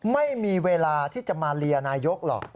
ไม่มีเวลาที่จะมาเลียนายกหรอก